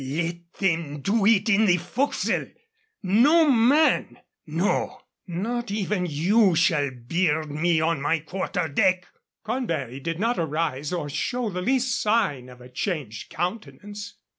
Let them do it in the forecastle. No man, no, not even you, shall beard me on my quarter deck!" Cornbury did not arise or show the least sign of a changed countenance.